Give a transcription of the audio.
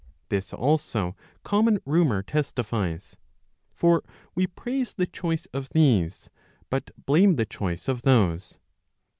This also common rumour testifies. For we praise the choice of these, but blame the choice of those.